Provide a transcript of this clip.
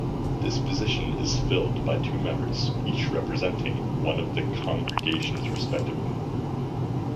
This position is filled by two members, each representing one of the congregations respectively.